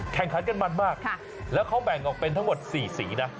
แข่งขันกันมันมากแล้วเขาแบ่งออกเป็นทั้งหมด๔สีนะ